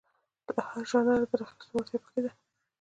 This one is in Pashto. له هر ژانره د راخیستو وړتیا په کې ده.